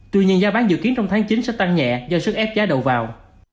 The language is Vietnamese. tuy nhiên giá bán dự kiến trong tháng chín sẽ tăng nhẹ do sức ép giá đầu vào